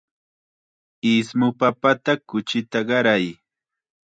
Ismu papata kuchita qaray.